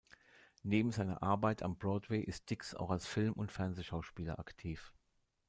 Neben seiner Arbeit am Broadway ist Diggs auch als Film- und Fernsehschauspieler aktiv.